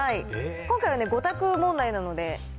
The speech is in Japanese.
今回は５択問題なので。